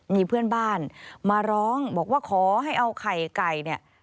มีเพื่อนบ้านมาร้องบอกว่าขอให้เอาไข่ไก่เนี่ย